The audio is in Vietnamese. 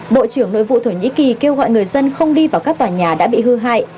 bộ trưởng nội vụ thổ nhĩ kỳ kêu gọi người dân không đi vào các tòa nhà đã bị hư hại